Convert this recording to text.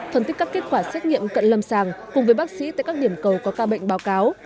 phân tích các kết quả xét nghiệm cận lâm sàng cùng với bác sĩ tại các điểm cầu có ca bệnh báo cáo